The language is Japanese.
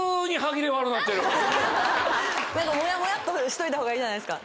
モヤモヤっとしといたほうがいいじゃないですか。